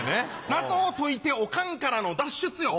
謎を解いてオカンからの脱出よ。